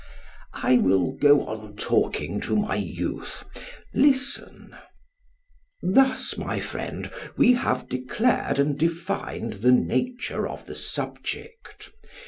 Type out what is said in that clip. I will go on talking to my youth. Listen: Thus, my friend, we have declared and defined the nature of the subject.